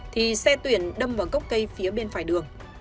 thì xe tuyển đâm vào gốc cây phía bên phải đường